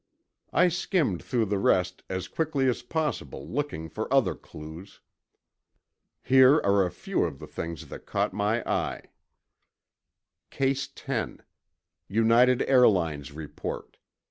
I skimmed through the rest as quickly as possible looking for other clues. Here are a few of the things that. caught my eye: Case 10. United Airlines report